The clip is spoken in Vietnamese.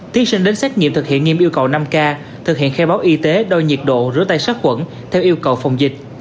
thí sinh đến xét nghiệm thực hiện nghiêm yêu cầu năm k thực hiện khai báo y tế đo nhiệt độ rửa tay sát quẩn theo yêu cầu phòng dịch